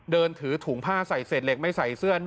เดินถือถุงผ้าใส่เศษเหล็กไม่ใส่เสื้อ